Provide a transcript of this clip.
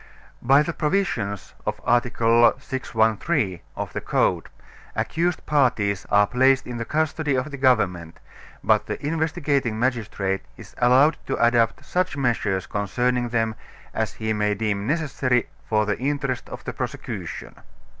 By the provisions of Article 613 of the Code, accused parties are placed in the custody of the government, but the investigating magistrate is allowed to adopt such measures concerning them as he may deem necessary for the interest of the prosecution.